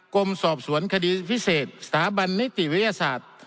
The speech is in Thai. กรมสอบสวนคดีพิเศษสถาบันนิติวิทยาศาสตร์